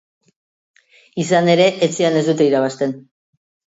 Izan ere, etxean ez dute irabazten.